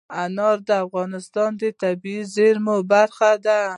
انار د افغانستان د طبیعي زیرمو برخه ده.